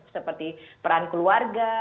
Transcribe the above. seperti peran keluarga